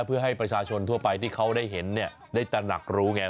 เพื่อให้ประชาชนทั่วไปที่เขาได้เห็นได้ตระหนักรู้ไง